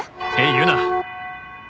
言うな。